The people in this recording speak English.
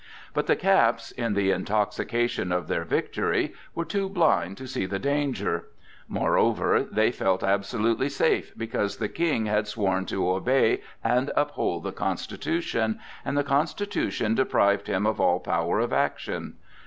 But the "caps," in the intoxication of their victory, were too blind to see the danger; moreover, they felt absolutely safe because the King had sworn to obey and uphold the constitution, and the constitution deprived him of all power of action.